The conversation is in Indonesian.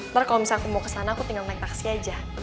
ntar kalau misalnya aku mau kesana aku tinggal naik taksi aja